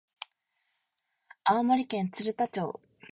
青森県鶴田町